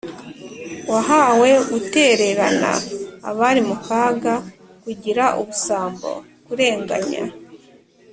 wahawe, gutererana abari mu kaga, kugira ubusambo, kurenganya